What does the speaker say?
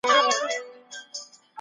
قصاص د مقتول حق دی.